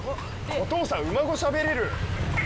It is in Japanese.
お父さん、馬語、しゃべれる！